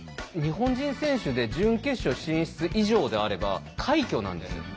日本人選手で準決勝進出以上であれば快挙なんですよ。